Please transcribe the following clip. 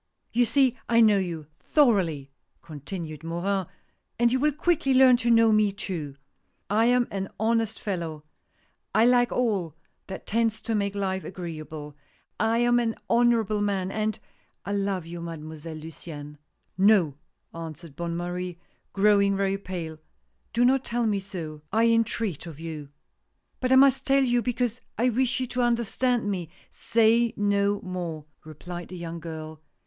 ." You see I know you, thoroughly !" continued Morin, " and you will quickly learn to know me too. I am an honest fellow — I like all that tends to make life agreeable — I am an honorable man, and 1 love you. Mademoiselle Luciane " "No," answered Bonne Marie, growing very pale, " do not tell me so — I entreat of you "" But I must tell you because I wish you to under stand me "" Say no more," replied the young girl.